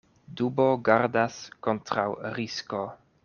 Dubo gardas kontraŭ risko.